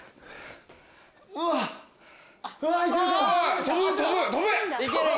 うわっいけるか？